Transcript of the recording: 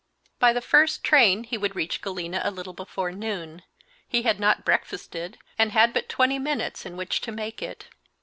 By the first train he would reach Galena a little before noon; he had not breakfasted, and had but twenty minutes in which to make it.